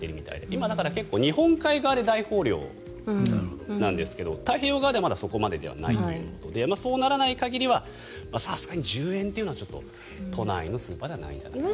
今、日本海側で大豊漁なんですが太平洋側ではまだそこまでではないということでそうならない限りはさすがに１０円というのは都内のスーパーではないんじゃないかと。